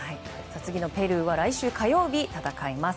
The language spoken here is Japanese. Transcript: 次のペルーは来週火曜日、戦います。